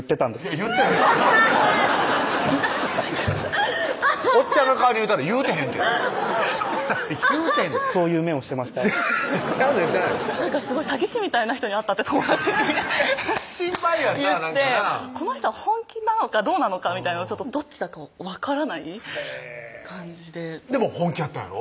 いや言ってへんおっちゃんが代わりに言うたる言うてへんてそんなん言うてへんそういう目をしてましたちゃうねんちゃうねん「すごい詐欺師みたいな人に会った」って友達に言ってこの人は本気なのかどうなのかみたいなのをどっちだか分からない感じででも本気やったんやろ？